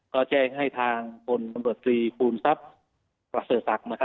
ก็แจ้งให้ทางผลดบริปูนสัตริ์ปราสรศักดิ์